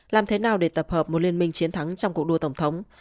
làm thế nào để tập hợp một liên minh chiến thắng trong cuộc đua tổng thống